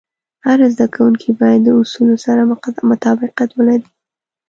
هر زده کوونکی باید د اصولو سره مطابقت ولري.